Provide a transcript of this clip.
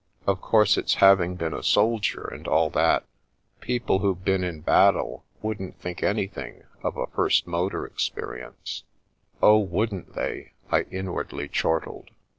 " Of course it's having been a sol dier, and all that. People who've been in battle wouldn't think anything of a first motor experience (Oh, wouldn't they ?" I inwardly chortled